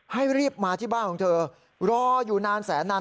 ให้รีบมาที่บ้านของเธอรออยู่นานแสนนาน